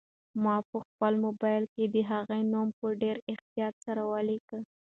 ما په خپل موبایل کې د هغې نوم په ډېر احتیاط سره ولیکه.